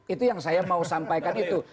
itu yang saya mau sampaikan itu